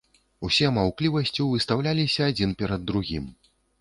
Усе маўклівасцю выстаўляліся адзін перад другім.